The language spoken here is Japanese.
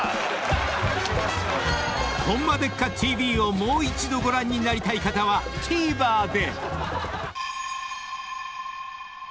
［『ホンマでっか⁉ＴＶ』をもう一度ご覧になりたい方はＴＶｅｒで！］